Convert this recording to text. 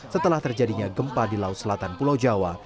setelah terjadinya gempa di laut selatan pulau jawa